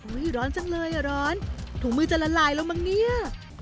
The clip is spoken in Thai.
อุ๊ยร้อนจังเลยอ่ะร้อนถุงมือจะละลายลงบางเนี่ย